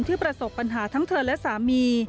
ประสบปัญหาทั้งเธอและสามี